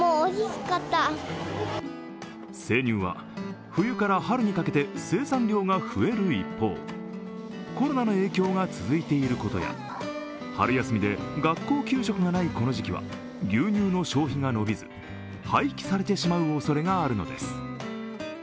生乳は、冬から春にかけて生産量が増える一方、コロナの影響が続いていることや春休みで学校給食がないこの時期は牛乳の消費が伸びず、廃棄されてしまうおそれがあるのです。